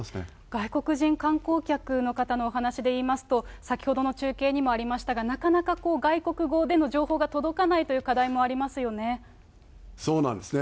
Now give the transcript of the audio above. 外国人観光客の方のお話でいいますと、先ほどの中継にもありましたが、なかなか外国語での情報が届かないという課題もありまそうなんですね。